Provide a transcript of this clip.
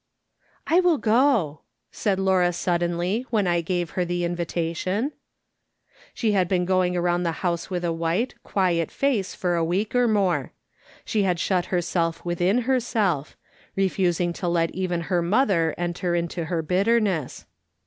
"I will go," said Laura suddenly, when I gave her the invitation. She had been going around the house with a white, quiet face for a week or more. She had shut herself within herself, refusing to let even her mother enter into her bitterness.